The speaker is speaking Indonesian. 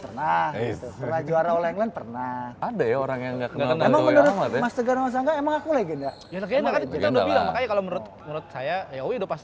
pernah juara oleh england pernah ada ya orang yang enggak kenal emang aku legenda ya menurut saya ya